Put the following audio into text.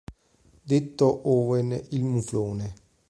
Detto Owen il Muflone.